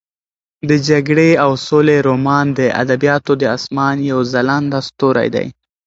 د جګړې او سولې رومان د ادبیاتو د اسمان یو ځلانده ستوری دی.